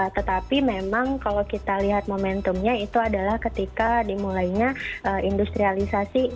tetapi memang kalau kita lihat momentumnya itu adalah ketika dimulainya industrialisasi